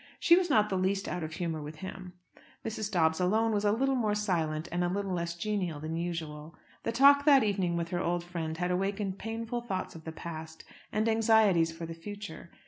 She was not the least out of humour with him. Mrs. Dobbs alone was a little more silent and a little less genial than usual. The talk that evening with her old friend had awakened painful thoughts of the past and anxieties for the future.